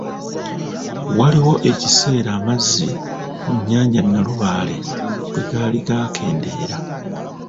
Waaliwo ekiseera amazzi mu nnyanja Nalubaale bwe gaali gakendeera.